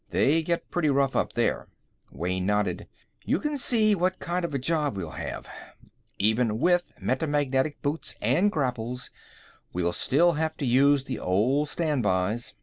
They get pretty rough up there." Wayne nodded. "You can see what kind of a job we'll have. Even with metamagnetic boots and grapples, we'll still have to use the old standbys."